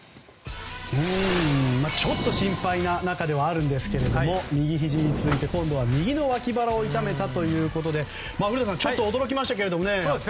ちょっと心配な中ではあるんですけど右ひじに続いて今度は右の脇腹を痛めたということで古田さんちょっと驚きましたけどね。